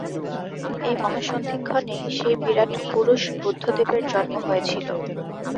এই মহাসন্ধিক্ষণেই সেই বিরাট পুরুষ বুদ্ধদেবের জন্ম হয়েছিল।